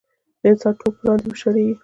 د انسان ټول پلان دې وشړېږي.